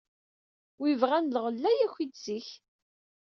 Wi ibɣan lɣella yakwi-d zik!